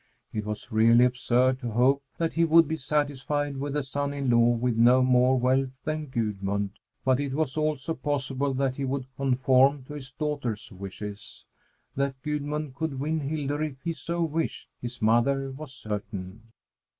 It was really absurd to hope that he would be satisfied with a son in law with no more wealth than Gudmund, but it was also possible that he would conform to his daughter's wishes. That Gudmund could win Hildur if he so wished, his mother was certain.